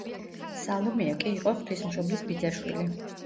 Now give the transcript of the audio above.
სალომეა კი იყო ღვთისმშობლის ბიძაშვილი.